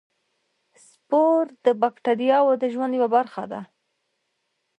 سپور د باکتریاوو د ژوند یوه برخه ده.